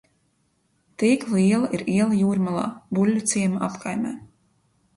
Tīklu iela ir iela Jūrmalā, Buļļuciema apkaimē.